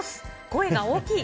声が大きい！